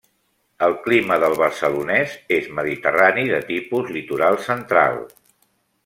El clima del Barcelonès és mediterrani de tipus litoral central.